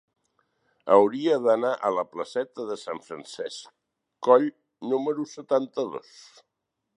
Hauria d'anar a la placeta de Sant Francesc Coll número setanta-dos.